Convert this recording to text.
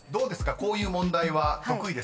こういう問題は得意ですか？］